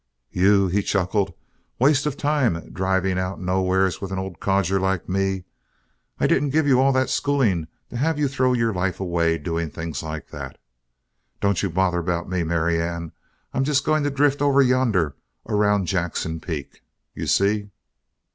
"You?" he chuckled. "Waste time driving out nowheres with an old codger like me? I didn't give you all that schooling to have you throw your life away doing things like that. Don't you bother about me, Marianne. I'm just going to drift over yonder around Jackson Peak. You see?"